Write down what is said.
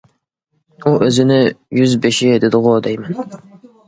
ئۇ ئۆزىنى يۈز بېشى دېدىغۇ دەيمەن.